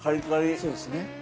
そうですね。